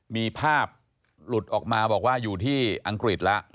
มีภาพหลุดออกมาบอกว่าอยู่ที่อังกฤษแล้ว